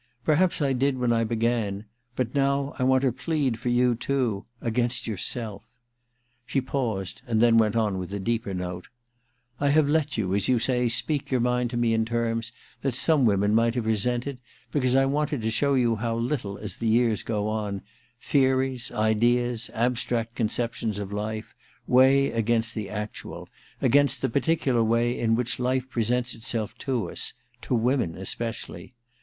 Perhaps I did when I began ; but now I want to plead for you too — a^inst yourself.' She paused, and then went on with a deeper note :*• I have let you, as you say, speak your mind to me in terms that some women might have resented, because I wanted to show you now little, as the years go on, theories, ideas, abstract conceptions of life, weigh against the actual, against the particular way in which life presents itself to us — ^to women especially.